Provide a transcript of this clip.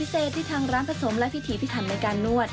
ปัญหาสูตรพิเศษที่ทางร้านผสมแล้วพิถถีผิดถัดในการนวด